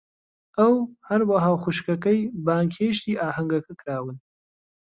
ئەو، هەروەها خوشکەکەی، بانگهێشتی ئاهەنگەکە کراون.